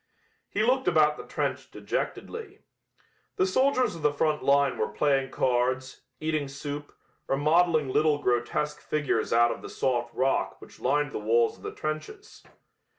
He looked about the trench dejectedly. The soldiers of the front line were playing cards, eating soup or modeling little grotesque figures out of the soft rock which lined the walls of the trenches.